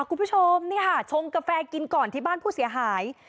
คุณผู้ชมนี่ค่ะชงกาแฟกินก่อนที่บ้านผู้เสียหาย